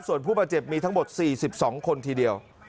ส่วนผู้บาดเจ็บมีทั้งหมด๔๒คนทีเดียว